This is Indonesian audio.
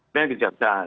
ini yang kejaksaan